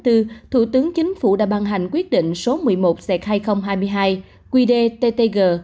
thủ tướng chính phủ đã ban hành quyết định số một mươi một hai nghìn hai mươi hai quy đề ttg